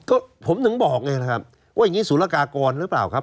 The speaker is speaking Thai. ก็ผมถึงบอกไงนะครับว่าอย่างนี้สุรกากรหรือเปล่าครับ